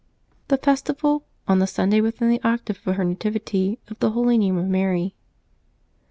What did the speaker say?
THE FESTIVAL, ON THE SUNDAY WITHIN THE OCTAVE OF HER NATIVITY, OF THE HOLY NAME OF MARY.